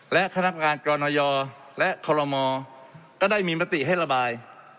และคณะการกรณยและคอลโลมก็ได้มีมติให้ระบาย